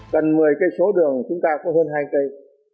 gần một mươi cây số đường chúng ta có hơn hai cây